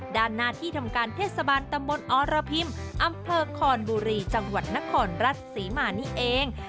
ด้านหน้าที่ทำการเทศบาลตำบลอรพิมอำเภอคอนบุรีจังหวัดนครราชศรีมานี่เอง